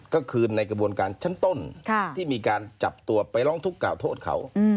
ก็คือในกระบวนการชั้นต้นที่มีการจับตัวไปร้องทุกข่าโทษเขา